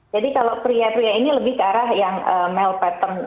jadi kalau pria pria ini lebih ke arah yang male pattern